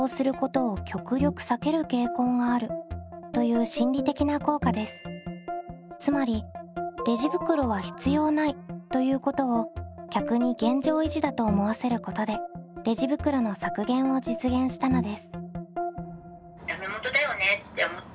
デフォルト効果とはつまりレジ袋は必要ないということを客に現状維持だと思わせることでレジ袋の削減を実現したのです。